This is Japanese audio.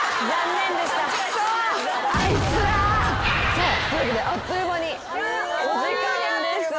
さあというわけであっという間にお時間です。